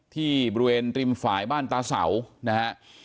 ที่บริเวณริมฝ่ายบ้านตาเสานะฮะ